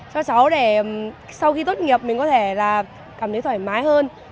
cho cháu để sau khi tốt nghiệp mình có thể là cảm thấy thoải mái hơn